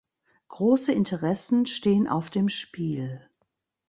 Große Interessen stehen auf dem Spiel.